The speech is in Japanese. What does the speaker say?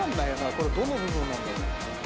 これどの部分なんだろう？